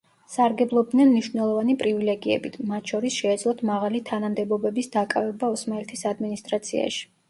სარგებლობდნენ მნიშვნელოვანი პრივილეგიებით, მათ შორის შეეძლოთ მაღალი თანამდებობების დაკავება ოსმალეთის ადმინისტრაციაში.